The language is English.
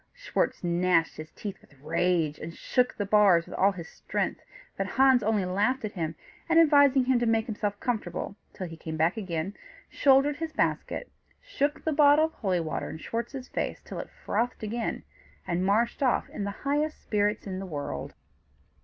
Schwartz gnashed his teeth with rage, and shook the bars with all his strength; but Hans only laughed at him, and advising him to make himself comfortable till he came back again, shouldered his basket, shook the bottle of holy water in Schwartz's face till it frothed again, and marched off in the highest spirits in the world.